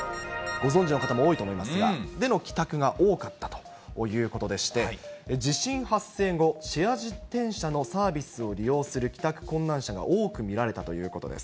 ご存じの方も多いと思いますが、での帰宅が多かったということでして、地震発生後、シェア自転車のサービスを利用する帰宅困難者が多く見られたということです。